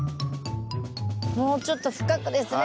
もうちょっと深くですね。